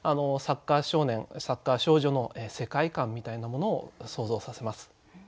サッカー少年サッカー少女の世界観みたいなものを想像させます。